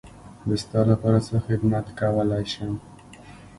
زه ستا لپاره څه خدمت کولی شم.